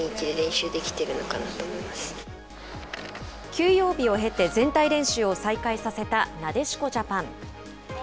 休養日を経て、全体練習を再開させたなでしこジャパン。